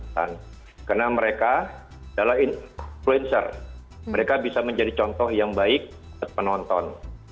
karena mereka adalah influencer mereka bisa menjadi contoh yang baik untuk penonton